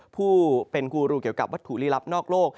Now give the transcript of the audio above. ผู้เป็นกูรูเกี่ยวกับวัตถุลีลับนอกโลก